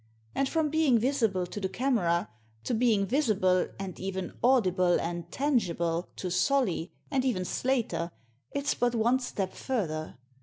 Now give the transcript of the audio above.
And from being visible to the camera, to being visible, and even audible and tangible, to Solly, and even Slater, it's but one step further.